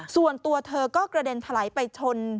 ส่วนตัวเธอก็กระเด็นถลายไปชน